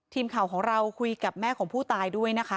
ทีมข่าวของเราคุยกับแม่ของผู้ตายด้วยนะคะ